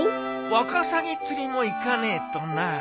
ワカサギ釣りも行かねえとな。